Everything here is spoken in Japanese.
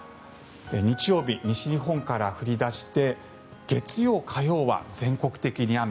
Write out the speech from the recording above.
日曜日、西日本から降り出して月曜日、火曜日は全国的に雨。